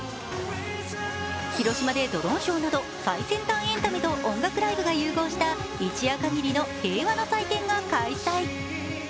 広島でドローンショーなど最先端エンタメと音楽ライブが融合した一夜かぎりの平和の祭典が開催。